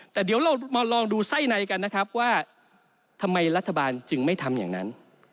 แต่เดี๋ยวเรามาลองดูไส้ในกันนะครับว่าทำไมรัฐบาลจึงไม่ทำอย่างนั้น